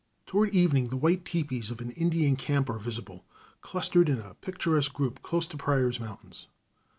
Toward evening the white tepees of an Indian camp are visible clustered in a picturesque group close to Pryor's Mountains.